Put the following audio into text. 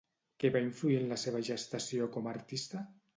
Què va influir en la seva gestació com a artista?